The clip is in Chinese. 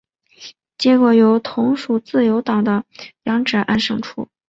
结果由同属自由党的杨哲安胜出。